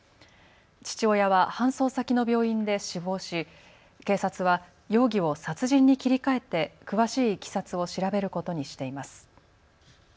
父親は搬送先の病院で死亡し警察は容疑を殺人に切り替えて詳しいいきさつを調べることにしています。